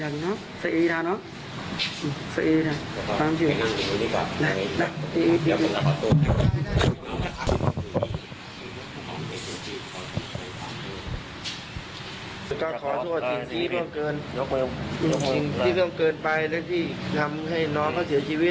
ขอโทษว่าจริงเพิ่งเกินไปและที่ทำให้น้องเขาเสียชีวิต